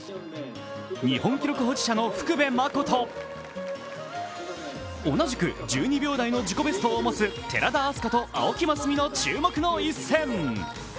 日本記録保持者の福部真子と同じく１２秒台の自己ベストを持つ寺田明日香と青木益未の注目の一戦。